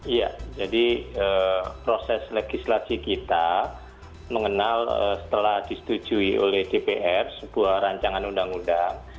iya jadi proses legislasi kita mengenal setelah disetujui oleh dpr sebuah rancangan undang undang